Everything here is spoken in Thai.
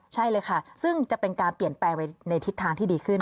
ใช่เลยค่ะซึ่งจะเป็นการเปลี่ยนแปลงไปในทิศทางที่ดีขึ้น